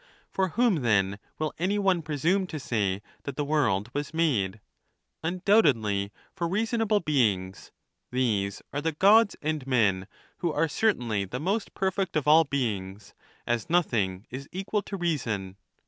For whom, then, will any one presume to say that the world was made ? Undoubtedly for reasonable beings ; these are the Gods and men, who are certainly the most perfect of all beings, as nothing is equal to reason.